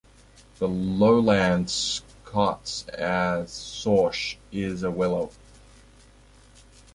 In Lowland Scots, a "sauch" is a willow.